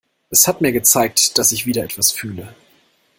Es hat mir gezeigt, dass ich wieder etwas fühle.